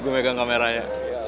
gue megang kameranya